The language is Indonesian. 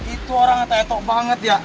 itu orang atletok banget ya